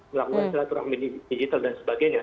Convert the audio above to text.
melakukan secara turang digital dan sebagainya